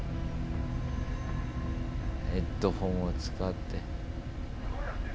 ヘッドホンを使って。